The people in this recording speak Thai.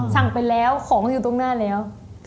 สั่งไปแล้วของอยู่ตรงหน้าแล้ว